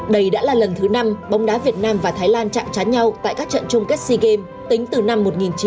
đây đã là lần thứ năm bóng đá việt nam và thái lan chạm trá nhau tại các trận chung kết sea games tính từ năm một nghìn chín trăm bảy mươi